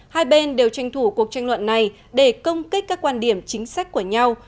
hai bên đều tranh thủ cuộc tranh luận này để công kích các quan điểm chính sách của nhau